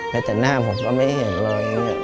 แต่แต่หน้าผมก็ไม่เห็นเลย